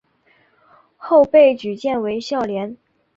后被举荐为孝廉。